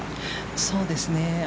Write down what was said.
そうですね。